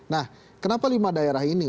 nah kenapa lima daerah ini